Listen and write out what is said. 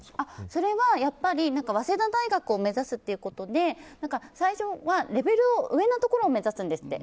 それは、やっぱり早稲田大学を目指すということで最初はレベルを上のところを目指すんですって。